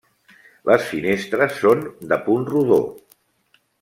Les finestres són de punt rodó.